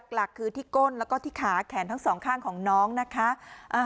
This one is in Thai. หลักคือที่ก้นแล้วก็ที่ขาแขนทั้งสองข้างของน้องนะคะ